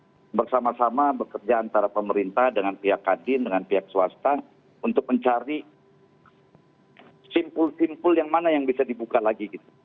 jadi kita harus bersama sama bekerja antara pemerintah dengan pihak kadin dengan pihak swasta untuk mencari simpul simpul yang mana yang bisa dibuka lagi gitu